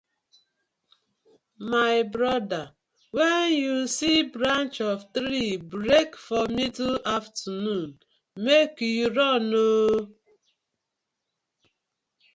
My bother wen yu see branch of tree break for middle afternoon mek yu run ooo.